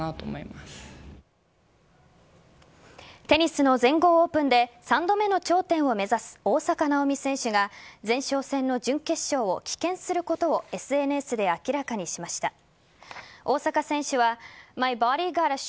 テニスの全豪オープンで３度目の頂点を目指す大坂なおみ選手が前哨戦の準決勝を棄権することをＳＮＳで明らかにしました。